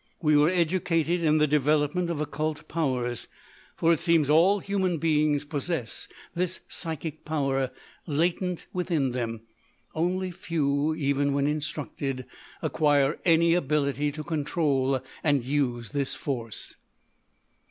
We were educated in the development of occult powers—for it seems all human beings possess this psychic power latent within them—only few, even when instructed, acquire any ability to control and use this force....